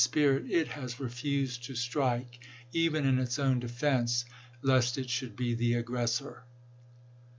spirit, it has refused to strike, even in its own defense, ^J; ^JH1, lest it should be the aggressor.